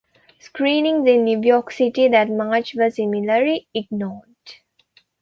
Screenings in New York City that March were similarly ignored.